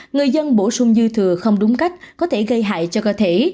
người dân bổ sung dư thừa không đúng cách có thể gây hại cho cơ thể